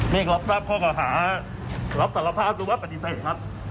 เมฆรามาตอบข้อหารับตรภาพหรือว่าปฏิเสธครับ